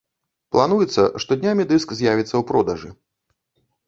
Плануецца, што днямі дыск з'явіцца ў продажы.